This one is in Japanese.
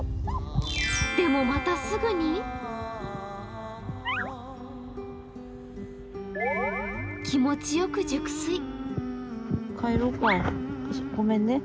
でも、またすぐに気持ちよく熟睡。